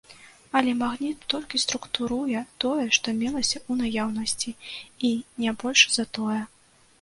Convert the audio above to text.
Але магніт толькі структуруе тое, што мелася ў наяўнасці, і не больш за тое.